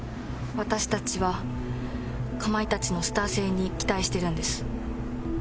私たちはかまいたちのスター性に期待してるんです。